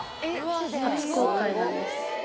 初公開なんです。